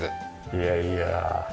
いやいや。